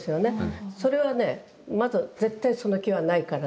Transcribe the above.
それはね「まず絶対その気はないからな。